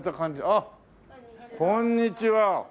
あっこんにちは。